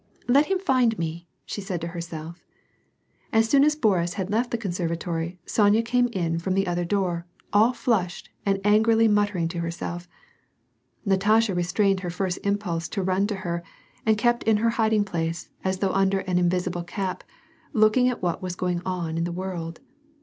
Let him find me," she said to herself. As soon as Boris had left the conservatory, Sonya came in from the other door, all flushed, and angrily muttering to herself. Natasha restrained her first impulse to run to her and kept in her hiding place, as though under an invisible cap, look ing at what was going on in the world.